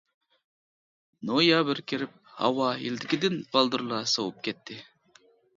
نويابىر كىرىپ ھاۋا يىلدىكىدىن بالدۇرلا سوۋۇپ كەتتى.